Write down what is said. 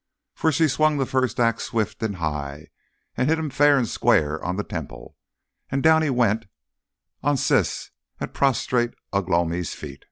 For she swung the first axe swift and high, and hit him fair and square on the temple; and down he went on Siss at prostrate Ugh lomi's feet.